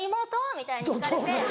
みたいに聞かれて。